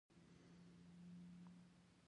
الله د دوى پر زړونو او د دوى په غوږونو مهر لګولى